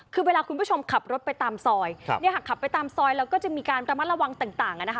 คือเวลาคุณผู้ชมขับรถไปตามซอยเนี่ยหากขับไปตามซอยแล้วก็จะมีการระมัดระวังต่างนะคะ